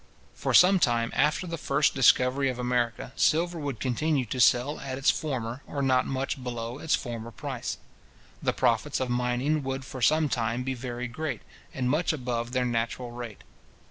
For some time after the first discovery of America, silver would continue to sell at its former, or not much below its former price. The profits of mining would for some time be very great, and much above their natural rate.